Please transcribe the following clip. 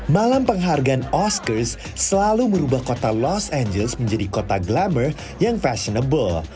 malam penghargaan oscars selalu merubah kota los angeles menjadi kota glaber yang fashionable